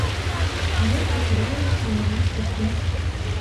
— Мый кечывалым канымаш уке.